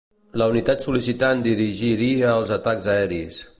La unitat sol·licitant dirigiria els atacs aeris.